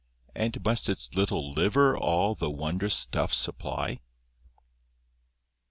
And must its little liver all The wondrous stuff supply?